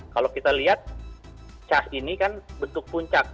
kalau kita lihat cas ini kan bentuk puncak